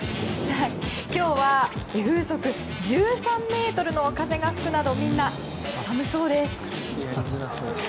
今日は風速１３メートルの風が吹くなどみんな寒そうです。